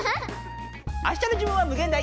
あしたの自分はむげん大！